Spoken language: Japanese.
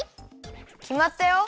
きまったよ。